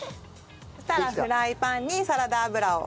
そしたらフライパンにサラダ油を。